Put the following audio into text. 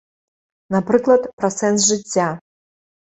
Напрыклад, пра сэнс жыцця.